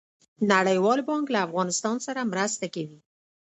نړیوال بانک له افغانستان سره مرسته کوي